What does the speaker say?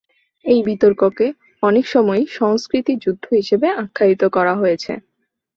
এই বিতর্ককে অনেক সময়ই সংস্কৃতি যুদ্ধ হিসেবে আখ্যায়িত করা হয়েছে।